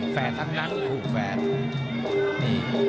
แฟนทั้งนั้นคุณแฟน